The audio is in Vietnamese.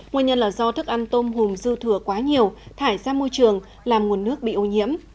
nguyên nhân là do thức ăn tôm hùm dư thừa quá nhiều thải ra môi trường làm nguồn nước bị ô nhiễm